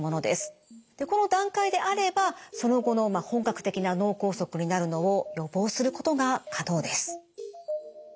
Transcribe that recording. でこの段階であればその後の本格的な脳梗塞になるのを予防することが可能です。